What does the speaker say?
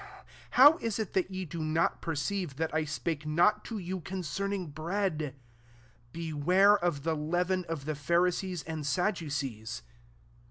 11 How is it that ye do not per ceive that I spake not to you concerning bread, 'Beware of the leaven of the Pharisees and Sadducees